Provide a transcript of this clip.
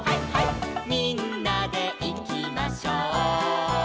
「みんなでいきましょう」